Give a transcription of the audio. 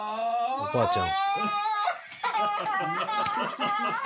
おばあちゃーん。